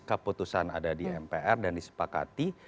keputusan ada di mpr dan disepakati